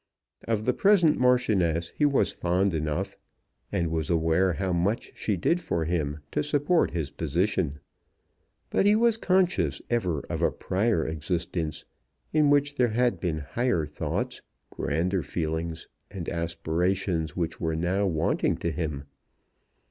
Of the present Marchioness he was fond enough, and was aware how much she did for him to support his position. But he was conscious ever of a prior existence in which there had been higher thoughts, grander feelings, and aspirations which were now wanting to him.